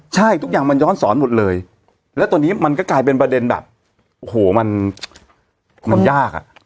ใช่ทุกอย่างมันย้อนสอนหมดเลยแล้วตอนนี้มันก็กลายเป็นประเด็นแบบโอ้โหมันยากอ่ะ